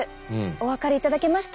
お分かりいただけました？